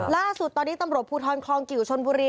ล่าสุดตอนนี้ตำรวจภูทรคลองกิวชนบุรี